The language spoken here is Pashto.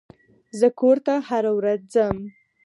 زه کور ته هره ورځ ځم.